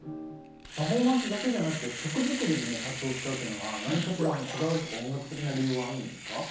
パフォーマンスだけじゃなくて曲作りにもパッドを使うっていうのは何かしらのこだわりとか音楽的な理由はあるんですか？